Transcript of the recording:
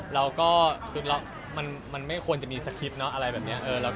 เราก็คือมันไม่ควรจะมีสคริปต์เนาะอะไรแบบนี้